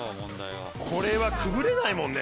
これはくぐれないもんね。